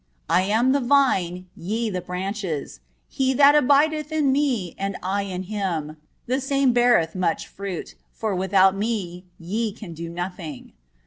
"I am the Vine, ye the branches; he that abideth in Me and I in him, the same beareth much fruit, for without Me ye can do nothing."